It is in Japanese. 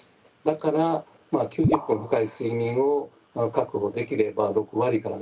だから９０分深い睡眠を確保できれば６割７割